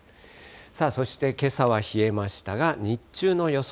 さあ、そしてけさは冷えましたが、日中の予想